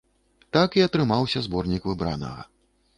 Так і атрымаўся зборнік выбранага.